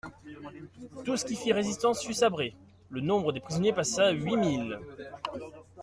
Tout ce qui fit résistance fut sabré ; le nombre des prisonniers passa huit mille.